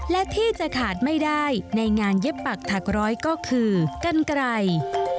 และที่จะขาดไม่ได้ในงานเย็บปักถักร้อยก็คือกันไกล